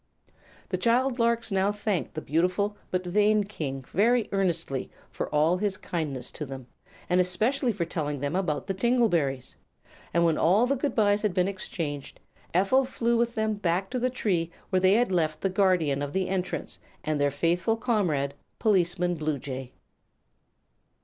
The child larks now thanked the beautiful but vain King very earnestly for all his kindness to them, and especially for telling them about the tingle berries; and when all the good byes had been exchanged Ephel flew with them back to the tree where they had left the Guardian of the Entrance and their faithful comrade, Policeman Bluejay.